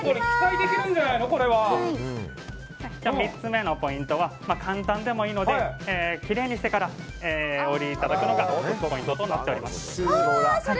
ゆうこりん３つ目のポイントは簡単でもいいのできれいにしてからお売りいただくのがポイントとなっています。